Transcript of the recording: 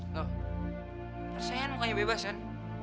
loh percaya kan mukanya bebas kan